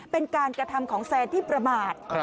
เป็นการกระทำของแซนที่ประมาท